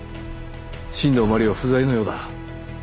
新道真理は不在のようだ。